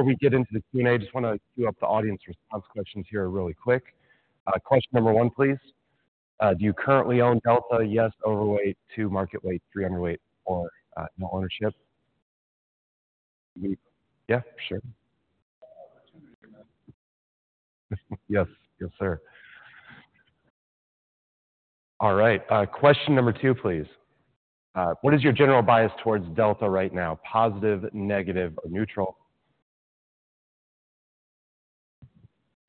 Before we get into the Q&A, I just want to queue up the audience response questions here really quick. Question number one, please. Do you currently own Delta, yes, overweight, 2 market weight, 3 underweight, or no ownership? Yeah, sure. Opportunity. Yes, yes sir. All right. Question number two, please. What is your general bias towards Delta right now, positive, negative, or neutral?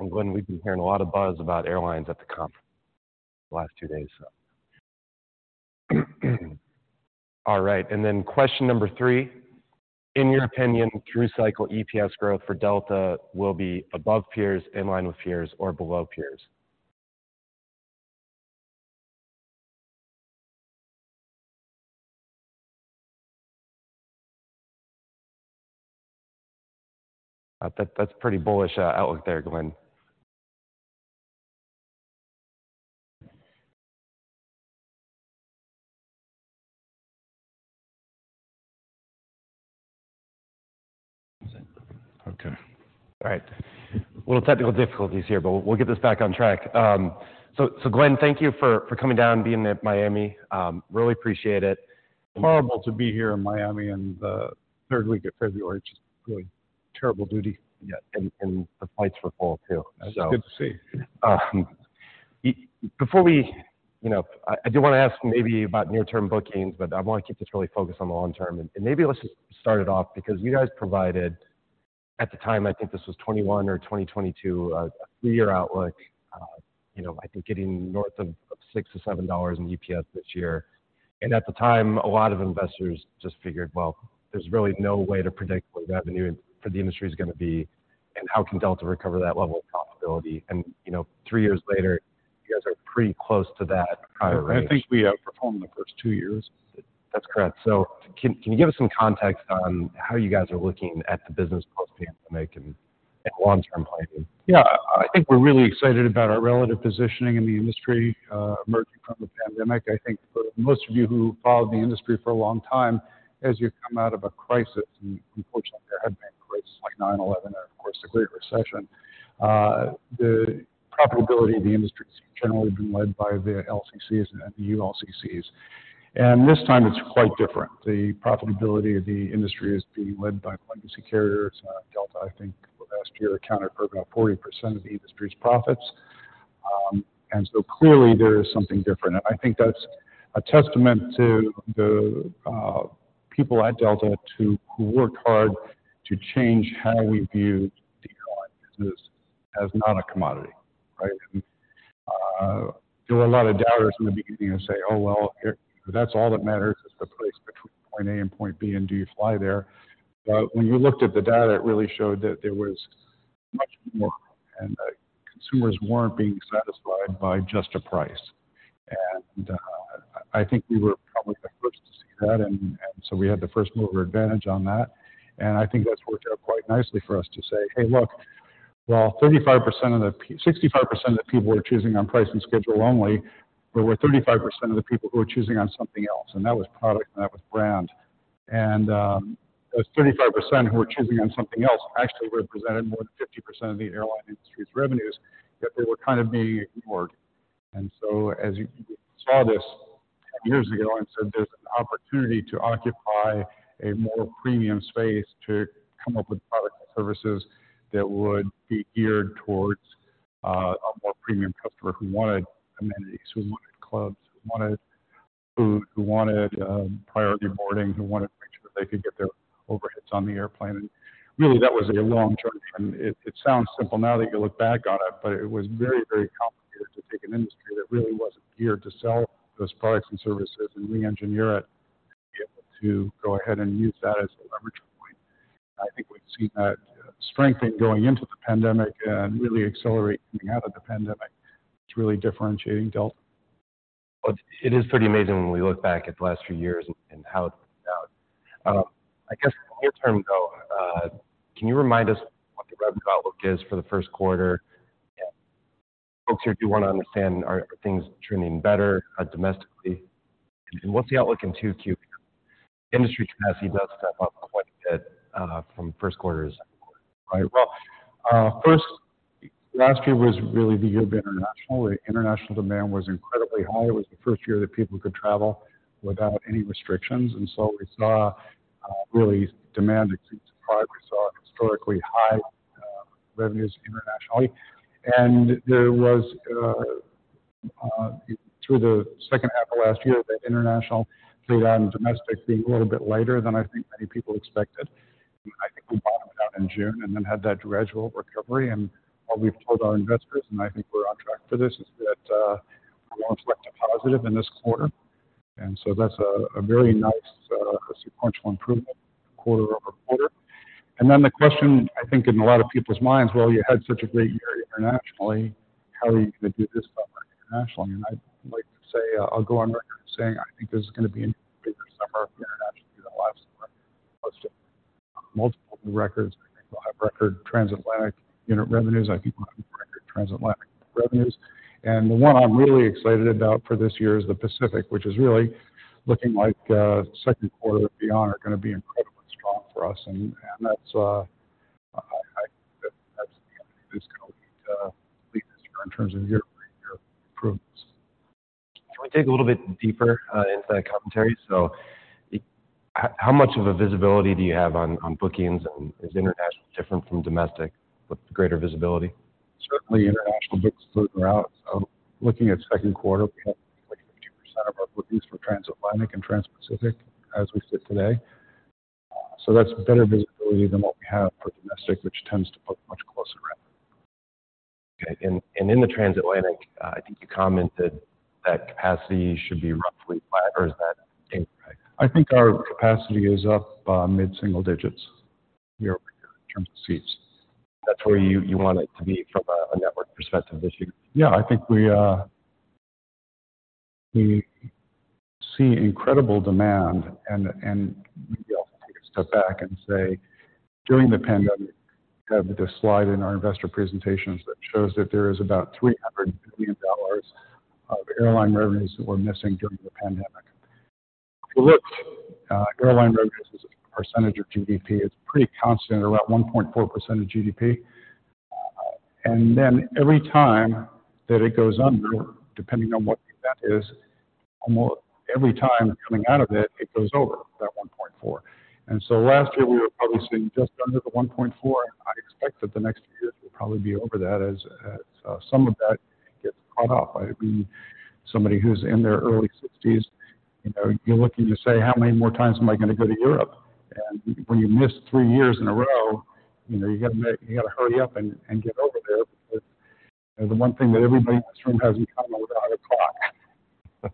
And Glen, we've been hearing a lot of buzz about airlines at the conference the last two days, so. All right. And then question number three. In your opinion, through-cycle EPS growth for Delta will be above peers, in line with peers, or below peers? That's pretty bullish outlook there, Glen. Okay. All right. Little technical difficulties here, but we'll get this back on track. So, Glen, thank you for coming down and being at Miami. Really appreciate it. Horrible to be here in Miami in the third week of February, just really terrible duty. Yeah, and the flights were full too, so. That's good to see. Before we, you know, I do want to ask maybe about near-term bookings, but I want to keep this really focused on the long term. And maybe let's just start it off because you guys provided, at the time, I think this was 2021 or 2022, a three-year outlook. You know, I think getting north of $6-$7 in EPS this year. And at the time, a lot of investors just figured, well, there's really no way to predict what revenue for the industry's going to be, and how can Delta recover that level of profitability? And, you know, three years later, you guys are pretty close to that prior rate. I think we performed in the first two years. That's correct. So can you give us some context on how you guys are looking at the business post-pandemic and long-term planning? Yeah. I think we're really excited about our relative positioning in the industry, emerging from the pandemic. I think for most of you who followed the industry for a long time, as you come out of a crisis, and unfortunately, there had been crises like 9/11 and, of course, the Great Recession, the profitability of the industry's generally been led by the LCCs and the ULCCs. And this time, it's quite different. The profitability of the industry is being led by the legacy carriers. Delta, I think, last year accounted for about 40% of the industry's profits, and so clearly, there is something different. And I think that's a testament to the people at Delta who worked hard to change how we view the airline business as not a commodity, right? There were a lot of doubters in the beginning who say, "Oh, well, that's all that matters is the price between point A and point B, and do you fly there?" But when you looked at the data, it really showed that there was much more, and consumers weren't being satisfied by just a price. I think we were probably the first to see that, and so we had the first mover advantage on that. I think that's worked out quite nicely for us to say, "Hey, look, while 65% of the people were choosing on price and schedule only, there were 35% of the people who were choosing on something else." That was product, and that was brand. Those 35% who were choosing on something else actually represented more than 50% of the airline industry's revenues, yet they were kind of being ignored. So as you saw this 10 years ago, I said, "There's an opportunity to occupy a more premium space to come up with products and services that would be geared towards a more premium customer who wanted amenities, who wanted clubs, who wanted food, who wanted priority boarding, who wanted to make sure they could get their overheads on the airplane." Really, that was a long journey. It sounds simple now that you look back on it, but it was very, very complicated to take an industry that really wasn't geared to sell those products and services and re-engineer it to be able to go ahead and use that as a leverage point. I think we've seen that strengthen going into the pandemic and really accelerate coming out of the pandemic. It's really differentiating Delta. Well, it is pretty amazing when we look back at the last few years and how it's been out. I guess in the near term, though, can you remind us what the revenue outlook is for the Q1? And folks here do want to understand, are things trending better, domestically? And what's the outlook in 2Q here? Industry capacity does step up quite a bit, from Q1 to Q2, right? Well, first, last year was really the year of international. The international demand was incredibly high. It was the first year that people could travel without any restrictions. And so we saw, really demand exceed supply. We saw historically high revenues internationally. And there was, through the second half of last year, that international played out and domestic being a little bit lighter than I think many people expected. And I think we bottomed out in June and then had that gradual recovery. And what we've told our investors, and I think we're on track for this, is that we're going to reflect a positive in this quarter. And so that's a very nice sequential improvement quarter over quarter. And then the question, I think, in a lot of people's minds, "Well, you had such a great year internationally. “How are you going to do this summer internationally?” And I'd like to say, I'll go on record saying I think this is going to be an even bigger summer internationally than last summer, plus just multiple new records. I think we'll have record transatlantic unit revenues. I think we'll have record transatlantic revenues. And the one I'm really excited about for this year is the Pacific, which is really looking like Q2 and beyond are going to be incredibly strong for us. And that's, I think that's the entity that's going to lead this year in terms of year-over-year improvements. Can we dig a little bit deeper into that commentary? So how much of a visibility do you have on, on bookings, and is international different from domestic with greater visibility? Certainly, international bookings flow out. So looking at Q2, we have like 50% of our bookings for transatlantic and trans-Pacific as we sit today. So that's better visibility than what we have for domestic, which tends to book much closer revenue. Okay. And in the transatlantic, I think you commented that capacity should be roughly flat, or is that incorrect? I think our capacity is up, mid-single digits year-over-year in terms of seats. That's where you want it to be from a network perspective this year? Yeah. I think we see incredible demand. And maybe I'll take a step back and say, during the pandemic, we have this slide in our investor presentations that shows that there is about $300 million of airline revenues that were missing during the pandemic. If you look, airline revenues as a percentage of GDP, it's pretty constant, around 1.4% of GDP. And then every time that it goes under, depending on what the event is, almost every time coming out of it, it goes over that 1.4%. And so last year, we were probably sitting just under the 1.4%. I expect that the next few years will probably be over that as some of that gets caught up. I mean, somebody who's in their early 60s, you know, you look and you say, "How many more times am I going to go to Europe?" And when you miss three years in a row, you know, you got to make you got to hurry up and get over there because, you know, the one thing that everybody in this room has in common with a hundred clock.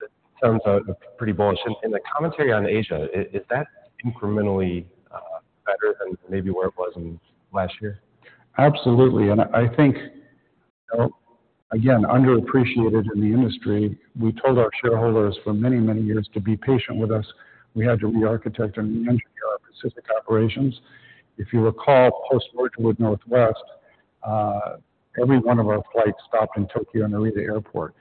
That sounds pretty bullish. And the commentary on Asia, is that incrementally better than maybe where it was in last year? Absolutely. And I think, you know, again, underappreciated in the industry. We told our shareholders for many, many years to be patient with us. We had to re-architect and re-engineer our Pacific operations. If you recall, post-merger with Northwest, every one of our flights stopped in Tokyo Narita Airport.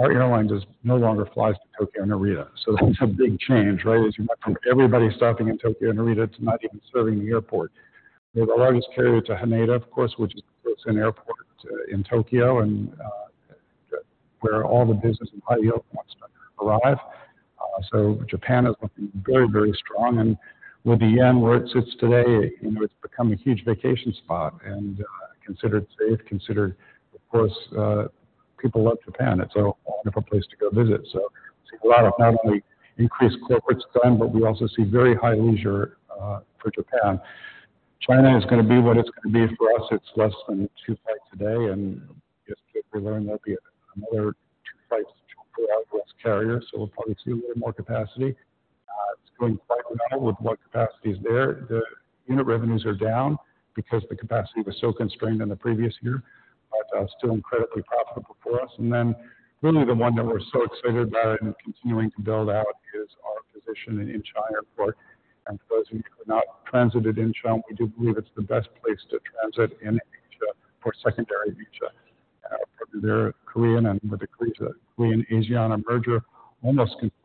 Our airline just no longer flies to Tokyo Narita. So that's a big change, right, as you went from everybody stopping in Tokyo Narita to not even serving the airport. We have our largest carrier to Haneda, of course, which is the closest airport, in Tokyo and, where all the business and high-yield funds arrive. So Japan is looking very, very strong. And with the yen, where it sits today, you know, it's become a huge vacation spot and, considered safe, considered, of course, people love Japan. It's a wonderful place to go visit. So we see a lot of not only increased corporate spend, but we also see very high leisure for Japan. China is going to be what it's going to be for us. It's less than two flights a day. And yesterday, we learned there'll be another two flights for our U.S. carrier, so we'll probably see a little more capacity. It's going quite well with what capacity's there. The unit revenues are down because the capacity was so constrained in the previous year, but still incredibly profitable for us. And then really, the one that we're so excited about and continuing to build out is our position in Incheon Airport. And for those of you who have not transited Incheon, we do believe it's the best place to transit in Asia for secondary Asia. partly there Korean and with the Korea, the Korean-Asiana merger almost complete,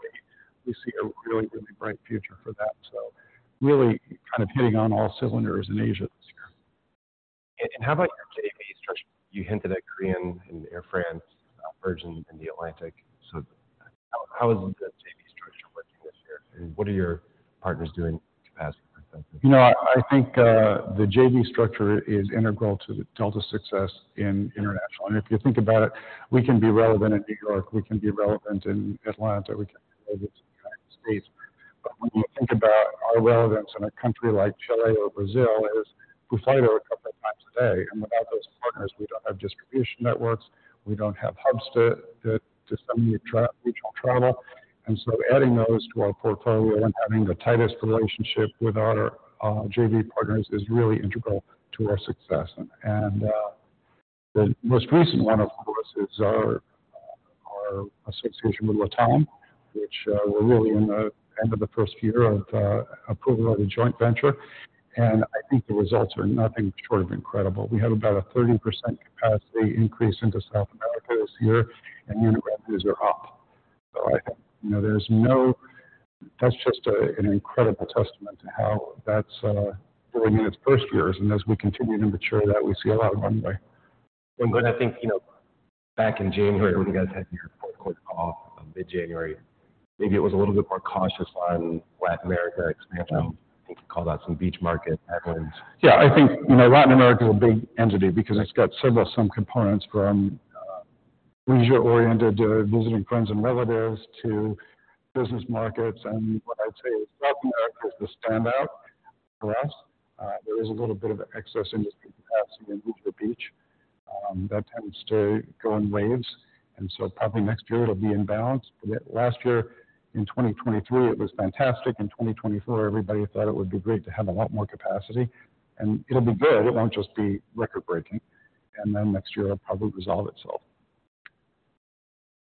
we see a really, really bright future for that. So really kind of hitting on all cylinders in Asia this year. How about your JV structure? You hinted at Korean Air and Air France-KLM merger in the Atlantic. So how is the JV structure working this year? And what are your partners doing, capacity perspective? You know, I think the JV structure is integral to the Delta success in international. And if you think about it, we can be relevant in New York. We can be relevant in Atlanta. We can be relevant in the United States. But when you think about our relevance in a country like Chile or Brazil, it is we fly there a couple of times a day. And without those partners, we don't have distribution networks. We don't have hubs to send regional travel. And so adding those to our portfolio and having the tightest relationship with our JV partners is really integral to our success. And the most recent one, of course, is our association with LATAM, which we're really in the end of the first year of approval of a joint venture. And I think the results are nothing short of incredible. We have about a 30% capacity increase into South America this year, and unit revenues are up. So I think, you know, that's just an incredible testament to how that's doing in its first years. And as we continue to mature that, we see a lot of runway. And I think, you know, back in January, when you guys had your Q4 call, mid-January, maybe it was a little bit more cautious on Latin America expansion. I think you called out some beach markets, headwinds. Yeah. I think, you know, Latin America's a big entity because it's got several some components from leisure-oriented to visiting friends and relatives to business markets. And what I'd say is South America is the standout for us. There is a little bit of excess industry capacity in leisure beach. That tends to go in waves. And so probably next year, it'll be in balance. But last year, in 2023, it was fantastic. In 2024, everybody thought it would be great to have a lot more capacity. And it'll be good. It won't just be record-breaking. And then next year, it'll probably resolve itself.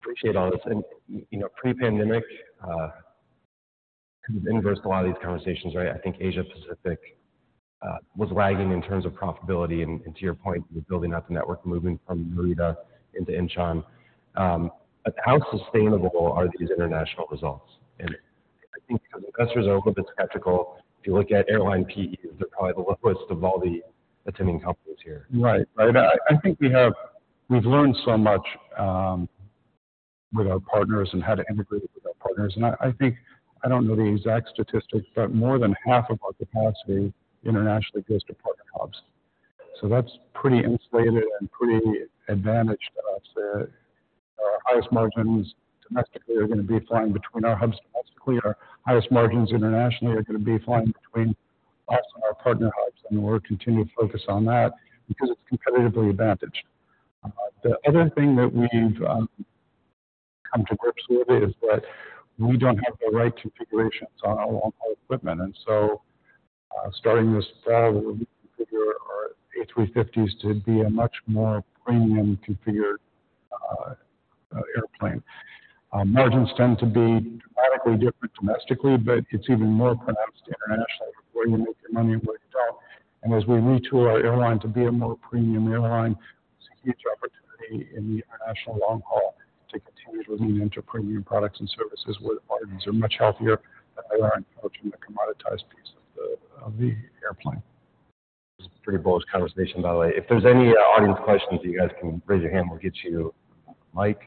Appreciate all this. And, you know, pre-pandemic, kind of inversed a lot of these conversations, right? I think Asia-Pacific was lagging in terms of profitability. And, and to your point, you were building out the network, moving from Narita into Incheon. But how sustainable are these international results? And I think because investors are a little bit skeptical, if you look at airline PEs, they're probably the lowest of all the attending companies here. Right, right. I think we've learned so much with our partners and how to integrate with our partners. And I think I don't know the exact statistics, but more than half of our capacity internationally goes to partner hubs. So that's pretty insulated and pretty advantaged to us. Our highest margins domestically are going to be flying between our hubs domestically. Our highest margins internationally are going to be flying between us and our partner hubs. And we'll continue to focus on that because it's competitively advantaged. The other thing that we've come to grips with is that we don't have the right configurations on our long-haul equipment. And so, starting this fall, we'll reconfigure our A350s to be a much more premium-configured airplane. Margins tend to be dramatically different domestically, but it's even more pronounced internationally where you make your money and where you don't. As we retool our airline to be a more premium airline, there's a huge opportunity in the international long-haul to continue to lean into premium products and services where the margins are much healthier than they are in, of course, in the commoditized piece of the airplane. This is a pretty bullish conversation, by the way. If there's any audience questions, you guys can raise your hand. We'll get you a mic.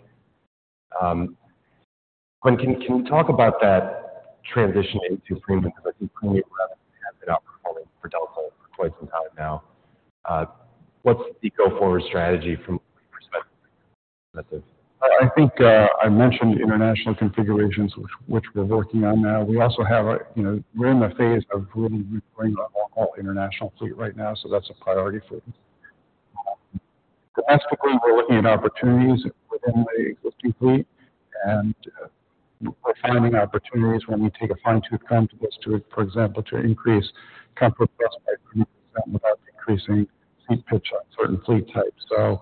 Glen, can you talk about that transitioning to premium? Because I think premium revenues have been outperforming for Delta for quite some time now. What's the go-forward strategy from a perspective? I think I mentioned international configurations, which we're working on now. We also have, you know, we're in the phase of really reconfiguring our long-haul international fleet right now, so that's a priority for us. Domestically, we're looking at opportunities within the existing fleet. We're finding opportunities when we take a fine-toothed comb to this, for example, to increase Comfort+ by 30% without increasing seat pitch on certain fleet types. So,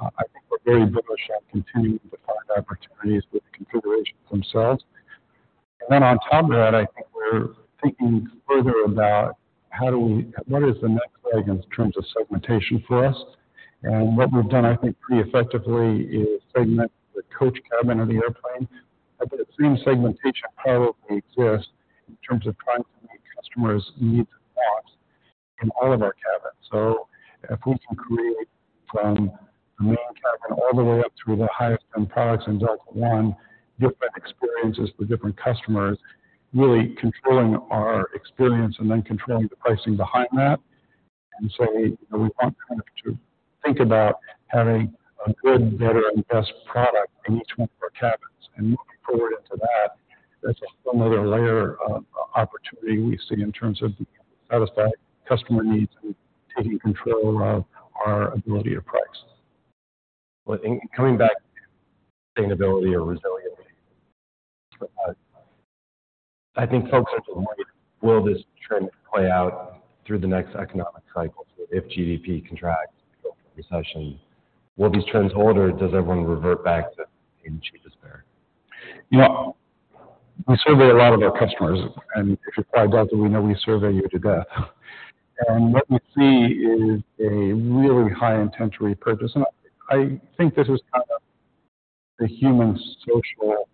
I think we're very bullish on continuing to find opportunities with the configurations themselves. And then on top of that, I think we're thinking further about how do we, what is the next leg in terms of segmentation for us? And what we've done, I think, pretty effectively is segment the coach cabin of the airplane. I think the same segmentation probably exists in terms of trying to meet customers' needs and wants in all of our cabins. So if we can create from the main cabin all the way up through the highest-end products in Delta One, different experiences for different customers, really controlling our experience and then controlling the pricing behind that, and say, you know, we want kind of to think about having a good, better, and best product in each one of our cabins. And moving forward into that, that's a whole nother layer of opportunity we see in terms of satisfying customer needs and taking control of our ability to price. Well, and coming back to sustainability or resiliency, I think folks are just wondering, will this trend play out through the next economic cycle? So if GDP contracts and we go into recession, will these trends hold, or does everyone revert back to paying the cheapest fare? You know, we survey a lot of our customers. And if you fly Delta, we know we survey you to death. And what we see is a really high-intent re-purchase. And I, I think this is kind of the human social;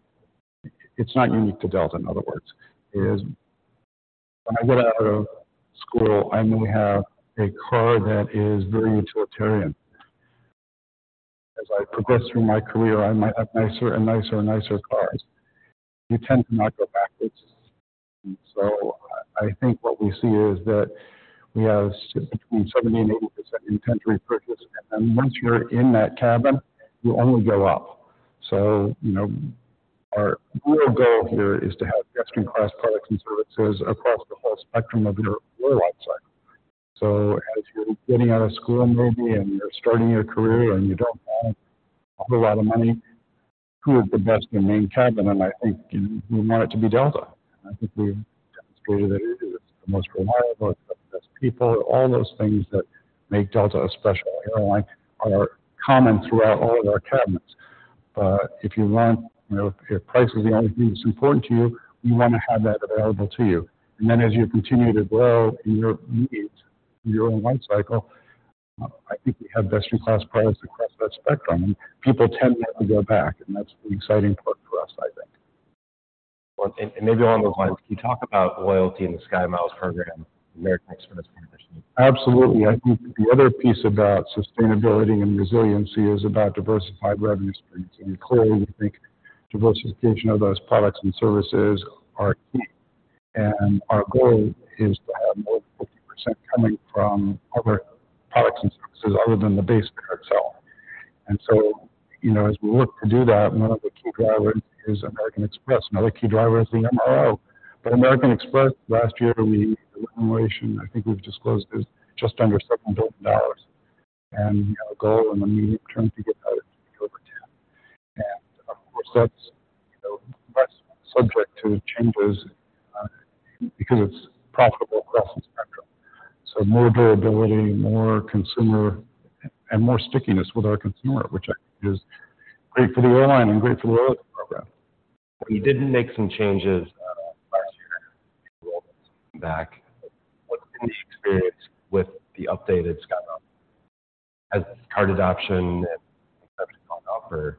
it's not unique to Delta. In other words, when I get out of school, I may have a car that is very utilitarian. As I progress through my career, I might have nicer and nicer and nicer cars. You tend to not go backwards. And so I, I think what we see is that we have between 70% and 80% intent re-purchase. And then once you're in that cabin, you only go up. So, you know, our real goal here is to have best-in-class products and services across the whole spectrum of your, your life cycle. So as you're getting out of school, maybe, and you're starting your career and you don't have a whole lot of money, who is the best in main cabin? And I think, you know, we want it to be Delta. And I think we've demonstrated that it is. It's the most reliable. It's got the best people. All those things that make Delta a special airline are common throughout all of our cabins. But if you want, you know, if price is the only thing that's important to you, we want to have that available to you. And then as you continue to grow in your needs and your own life cycle, I think we have best-in-class products across that spectrum. And people tend not to go back. And that's the exciting part for us, I think. Well, and maybe along those lines, can you talk about loyalty and the SkyMiles program, American Express partnership? Absolutely. I think the other piece about sustainability and resiliency is about diversified revenue streams. Clearly, we think diversification of those products and services are key. And our goal is to have more than 50% coming from other products and services other than the base fare itself. And so, you know, as we work to do that, one of the key drivers is American Express. Another key driver is the MRO. But American Express, last year, we the remuneration, I think we've disclosed, is just under $7 billion. And we have a goal in the medium term to get that to be over $10 billion. And of course, that's, you know, less subject to changes, because it's profitable across the spectrum. So more durability, more consumer, and more stickiness with our consumer, which I think is great for the airline and great for the loyalty program. Well, you didn't make some changes last year in the enrollments. What's been the experience with the updated SkyMiles? Has card adoption and acceptance gone up, or is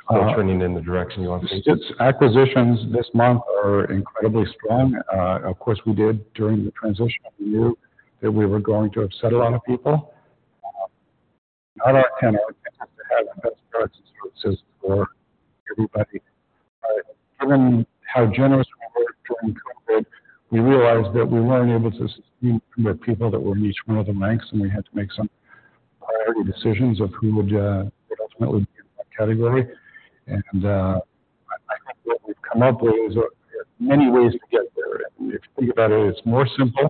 it still turning in the direction you want to see? Its acquisitions this month are incredibly strong. Of course, we did during the transition. We knew that we were going to upset a lot of people. Not our intent. Our intent is to have the best products and services for everybody. But given how generous we were during COVID, we realized that we weren't able to sustain a number of people that were in each one of the ranks. And we had to make some priority decisions of who would, would ultimately be in that category. And, I, I think what we've come up with is, many ways to get there. And if you think about it, it's more simple.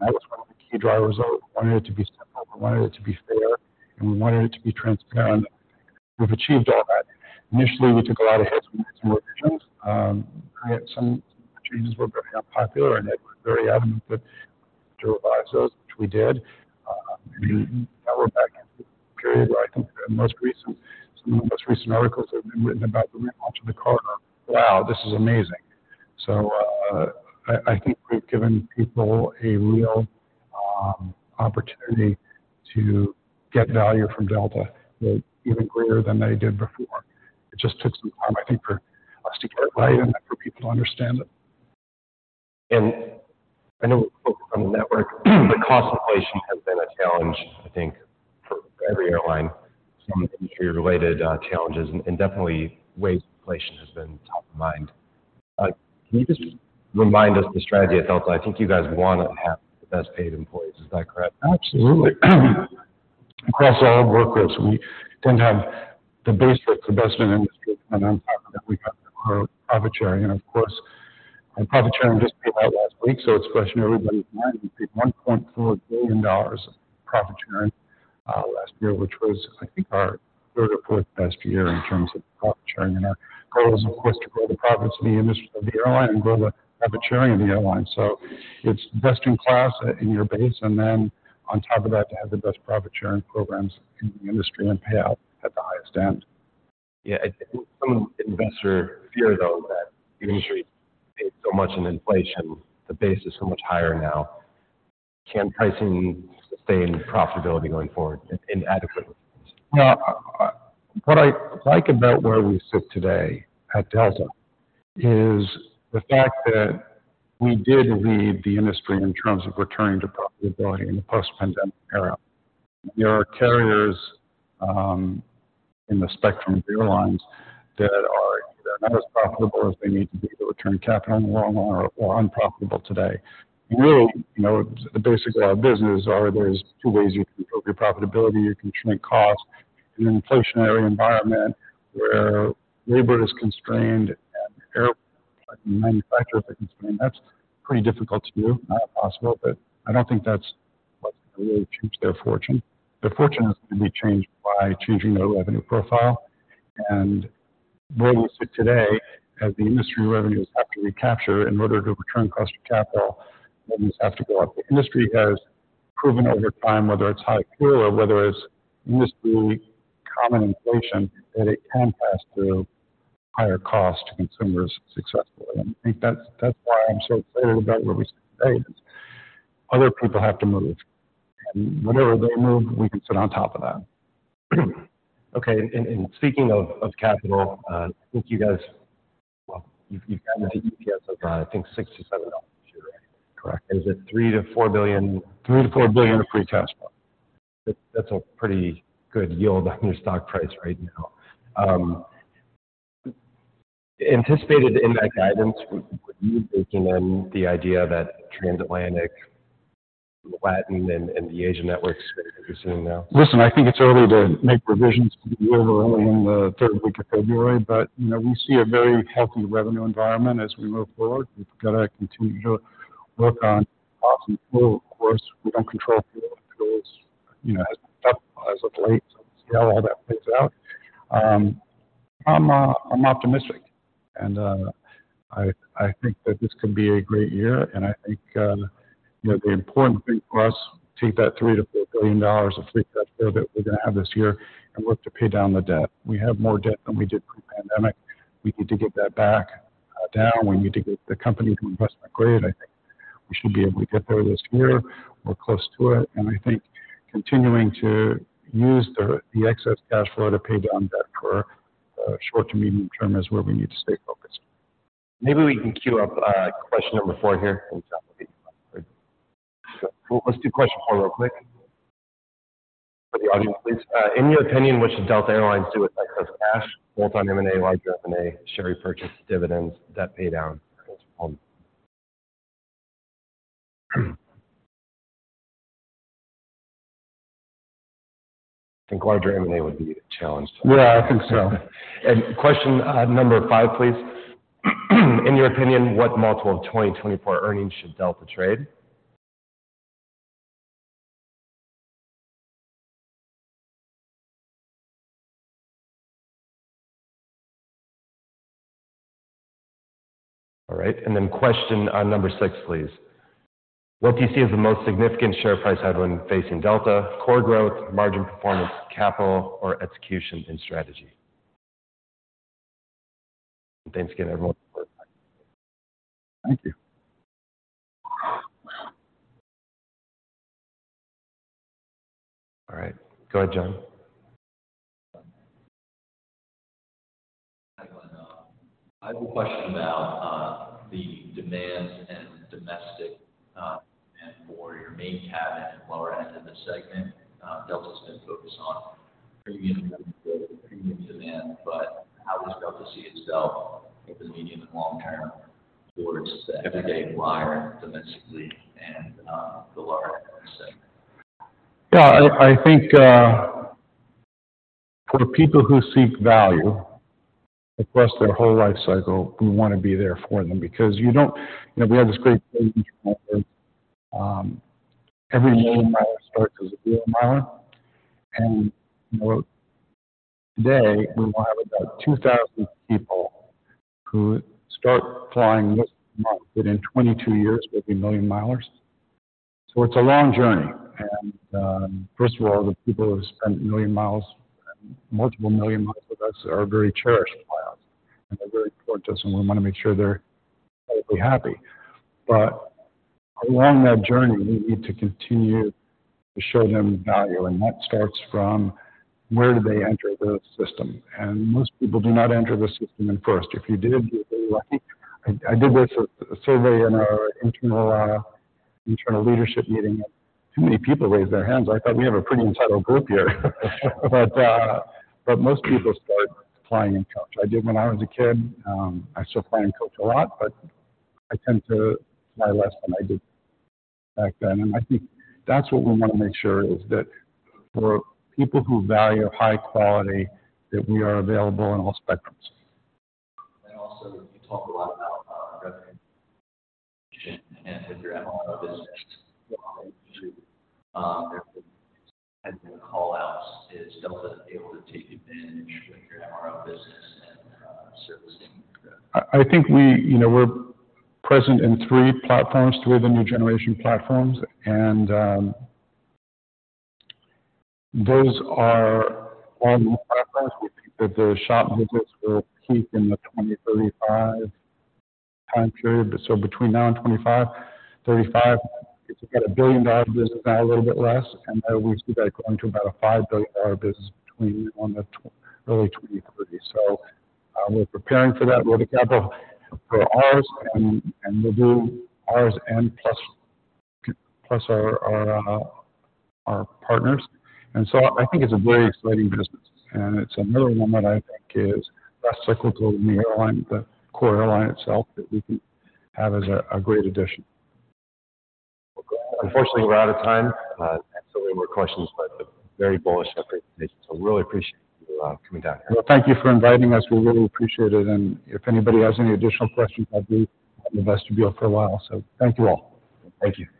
And that was one of the key drivers. We wanted it to be simple. We wanted it to be fair. And we wanted it to be transparent. And I think we've achieved all that. Initially, we took a lot of hits when we had some revisions. Some changes were very unpopular. Ed was very adamant that we had to revise those, which we did. Now we're back into a period where I think some of the most recent articles that have been written about the relaunch of the card are, "Wow, this is amazing." I, I think we've given people a real, opportunity to get value from Delta, you know, even greater than they did before. It just took some time, I think, for us to get it right and for people to understand it. I know we're focused on the network, but cost inflation has been a challenge, I think, for every airline. Some industry-related challenges. Definitely, wage inflation has been top of mind. Can you just remind us the strategy at Delta? I think you guys want to have the best-paid employees. Is that correct? Absolutely. Across all workgroups, we tend to have the best base in the industry. On top of that, we have our profit sharing. Of course, our profit sharing just came out last week, so it's fresh in everybody's mind. We paid $1.4 billion of profit sharing last year, which was, I think, our third or fourth best year in terms of profit sharing. Our goal is, of course, to grow the profits of the airline industry and grow the profit sharing of the airline. So it's best-in-class in your base, and then on top of that, to have the best profit sharing programs in the industry and pay out at the highest end. Yeah. I think some investor fear, though, that the industry's paid so much in inflation, the base is so much higher now. Can pricing sustain profitability going forward in adequate ways? Well, what I like about where we sit today at Delta is the fact that we did lead the industry in terms of returning to profitability in the post-pandemic era. There are carriers, in the spectrum of airlines that are either not as profitable as they need to be to return capital in the long run or, or unprofitable today. Really, you know, the basic law of business is there's two ways you can improve your profitability. You can shrink costs in an inflationary environment where labor is constrained and air manufacturers are constrained. That's pretty difficult to do, not impossible. But I don't think that's what's going to really change their fortune. Their fortune is going to be changed by changing their revenue profile. And where we sit today, as the industry revenues have to recapture in order to return cost to capital, revenues have to go up. The industry has proven over time, whether it's high fuel or whether it's industry-common inflation, that it can pass through higher costs to consumers successfully. And I think that's, that's why I'm so excited about where we sit today. It's other people have to move. And whatever they move, we can sit on top of that. Okay. And speaking of capital, I think you guys, well, you've gotten into EPS of, I think $6-$7 a year, right? Correct? Is it $3-$4 billion? $3 billion-$4 billion of free cash flow. That's, that's a pretty good yield on your stock price right now. Anticipated in that guidance, were you baking in the idea that Transatlantic, Latin, and, and the Asia networks are going to be interesting now? Listen, I think it's early to make revisions because we're only in the third week of February. But, you know, we see a very healthy revenue environment as we move forward. We've got to continue to work on cost and fuel, of course. We don't control fuel. Fuel, you know, has been stuck as of late. So we scale all those things out. I'm optimistic. And I think that this could be a great year. And I think, you know, the important thing for us, take that $3-$4 billion of free cash flow that we're going to have this year and work to pay down the debt. We have more debt than we did pre-pandemic. We need to get that back, down. We need to get the company to investment grade. I think we should be able to get there this year. We're close to it. I think continuing to use the excess cash flow to pay down debt for the short to medium term is where we need to stay focused. Maybe we can cue up question number four here. Anytime we'll get you on the record. Let's do question four real quick for the audience, please. In your opinion, what should Delta Air Lines do with excess cash, full-time M&A, larger M&A, share repurchase, dividends, debt paydown? I think larger M&A would be a challenge to us. Yeah, I think so. Question number five, please. In your opinion, what multiple of 2024 earnings should Delta trade? All right. Then question number six, please. What do you see as the most significant share price headwind facing Delta: core growth, margin performance, capital, or execution and strategy? And thanks again, everyone. Thank you. All right. Go ahead, John. I have a question about the demand and domestic demand for your main cabin and lower-end in the segment. Delta's been focused on premium demand, but how does Delta see itself over the medium and long term towards the everyday flyer domestically and the lower-end in the segment? Yeah. I, I think, for people who seek value across their whole life cycle, we want to be there for them because you don't you know, we have this great saying in German words, "Every Million Miler starts as a dealer's miler." And, you know, today, we will have about 2,000 people who start flying this month that in 22 years will be million milers. So it's a long journey. And, first of all, the people who spend million miles and multiple million miles with us are very cherished by us. And they're very important to us. And we want to make sure they're happy. But along that journey, we need to continue to show them value. And that starts from where do they enter the system? And most people do not enter the system in first. If you did, you're very lucky. I did this as a survey in our internal leadership meeting. Too many people raised their hands. I thought we have a pretty entitled group here. But most people start flying in coach. I did when I was a kid. I still fly in coach a lot, but I tend to fly less than I did back then. And I think that's what we want to make sure is that for people who value high quality, that we are available in all spectrums. Also, you talk a lot about revenue and with your MRO business, there have been callouts. Is Delta able to take advantage with your MRO business and servicing? I think you know, we're present in three platforms, three of the new generation platforms. Those are all new platforms. We think that the shop visits will peak in the 2035 time period. So between now and 2025-2035, it's about a billion-dollar business now, a little bit less. Now we see that growing to about a $5 billion business between now and early 2023. So, we're preparing for that. We're the capital for ours. And we'll do ours plus our partners. So I think it's a very exciting business. It's another one that I think is less cyclical than the airline, the core airline itself, that we can have as a great addition. Unfortunately, we're out of time. I have so many more questions, but very bullish on presentation. So I really appreciate you coming down here. Well, thank you for inviting us. We really appreciate it. And if anybody has any additional questions, I'll be on the vestibule for a while. So thank you all. Thank you.